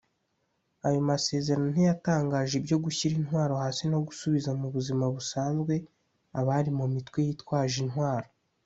Ayo masezerano ntiyatangaje ibyo gushyira intwaro hasi no gusubiza mu buzima busanzwe abari mu mitwe yitwaje intwaro